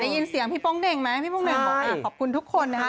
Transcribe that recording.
ได้ยินเสียงพี่ป้องเด่งไหมพี่โป่งเน่งบอกขอบคุณทุกคนนะคะ